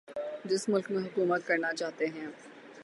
جس ملک میں حکومت کرنا چاہتے ہیں